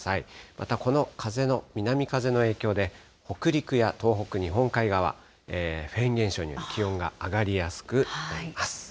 またこの風の、南風の影響で、北陸や東北、日本海側、フェーン現象により気温が上がりやすくなります。